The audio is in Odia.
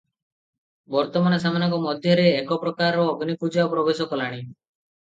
ବର୍ତ୍ତମାନ ସେମାନଙ୍କ ମଧ୍ୟରେ ଏକପ୍ରକାର ଅଗ୍ନିପୂଜା ପ୍ରବେଶ କଲାଣି ।